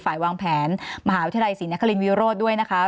วางแผนมหาวิทยาลัยศรีนครินวิโรธด้วยนะคะ